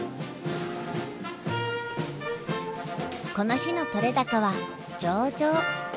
この日の撮れ高は上々。